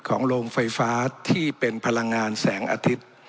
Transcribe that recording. โรงไฟฟ้าที่เป็นพลังงานแสงอาทิตย์